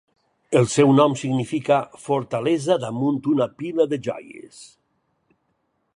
El seu nom significa fortalesa damunt una pila de joies.